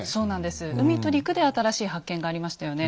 海と陸で新しい発見がありましたよね。